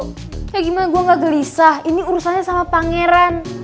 kayak gimana gue gak gelisah ini urusannya sama pangeran